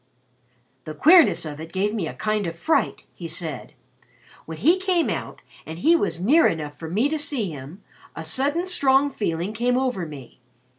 "The queerness of it gave me a kind of fright," he said. "When he came out and he was near enough for me to see him, a sudden strong feeling came over me.